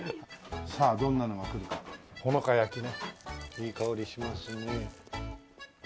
いい香りしますね。